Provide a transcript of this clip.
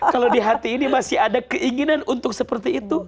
kalau di hati ini masih ada keinginan untuk seperti itu